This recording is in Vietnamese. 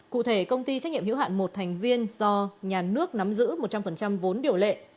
cụ thể công ty trách nhiệm hữu hạn một thành viên do nhà nước nắm giữ một trăm linh vốn điều lệ